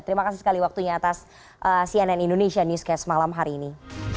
terima kasih sekali waktunya atas cnn indonesia newscast malam hari ini